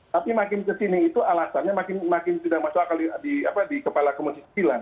tapi makin kesini itu alasannya makin tidak masuk akal di kepala komisi sembilan